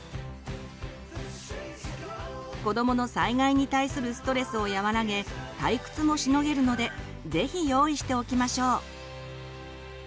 子どもの災害に対するストレスを和らげ退屈もしのげるので是非用意しておきましょう。